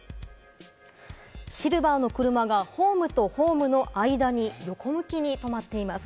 シルバーの車がホームとホームの間に横向きに止まっています。